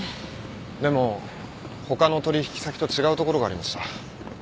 でも他の取引先と違うところがありました。